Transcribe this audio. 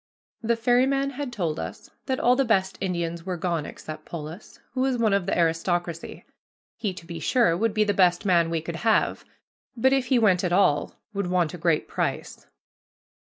The ferryman had told us that all the best Indians were gone except Polis, who was one of the aristocracy. He, to be sure, would be the best man we could have, but if he went at all would want a great price.